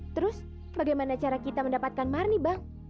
terus bagaimana cara kita mendapatkan marni bang